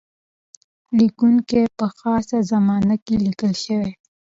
لیکونکی په خاصه زمانه کې لیکل شوی.